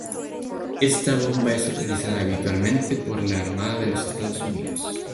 Esta bomba es utilizada habitualmente por la Armada de los Estados Unidos.